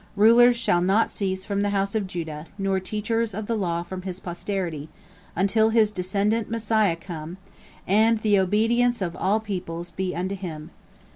Rulers shall not cease from the house of Judah, nor teachers of the law from his posterity, until his descendant Messiah come, and the obedience of all peoples be unto him.